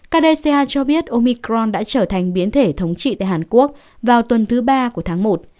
canada cho biết omicron đã trở thành biến thể thống trị tại hàn quốc vào tuần thứ ba của tháng một